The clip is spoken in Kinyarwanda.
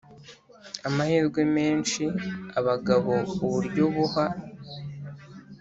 amahirwe menshi abagabo Uburyo buha